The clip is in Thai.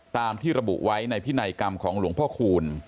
ตามที่ระบุไว้ในพินัยกรรมของหลวงพ่อคูณ